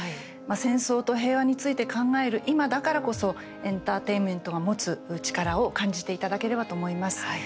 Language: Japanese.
戦争と平和について考える今だからこそエンターテインメントが持つ力を感じていただければと思います。